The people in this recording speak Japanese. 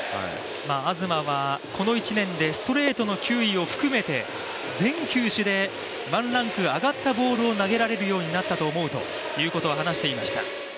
東はこの１年でストレートの球威を含めて全球種でワンランク上がったボールを投げられるようになったと思うと話していました。